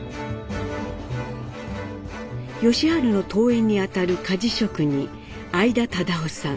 吉春の遠縁に当たる鍛冶職人相田忠雄さん